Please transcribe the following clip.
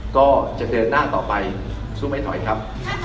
ก็จะเดินหน้าต่อไปสู้ให้หน่อยครับ